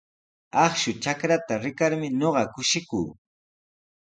Akshu trakraata rikarmi ñuqa kushikuu.